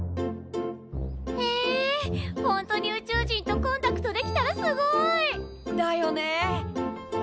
へえほんとに宇宙人とコンタクトできたらすごい！だよね！